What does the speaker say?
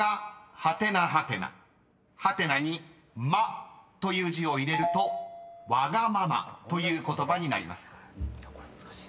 ［ハテナに「ま」という字を入れると「わがまま」という言葉になります］